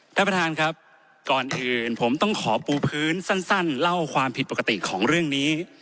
ท่านประธานครับก่อนอื่นผมต้องขอปูพื้นสั้นเล่าความผิดปกติของเรื่องนี้